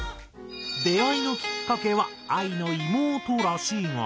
出会いのきっかけはＡＩの妹らしいが。